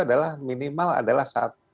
adalah minimal adalah